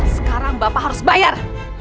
sekarang bapak harus bayar